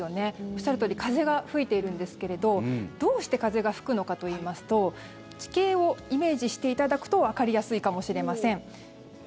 おっしゃるとおり風が吹いているんですけれどどうして風が吹くのかといいますと地形をイメージしていただくとわかりやすいかもしれません。